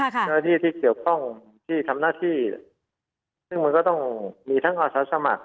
เจ้าหน้าที่ที่เกี่ยวข้องที่ทำหน้าที่ซึ่งมันก็ต้องมีทั้งอาสาสมัคร